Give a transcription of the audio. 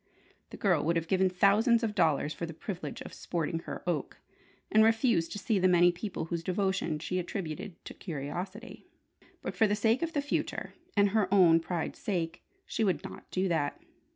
The girl would have given thousands of dollars for the privilege of "sporting her oak," and refusing to see the many people whose devotion she attributed to curiosity. But for the sake of the future, and her own pride's sake, she would not do that.